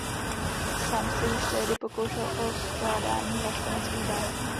Sám se již tehdy pokoušel o skládání vlasteneckých básní.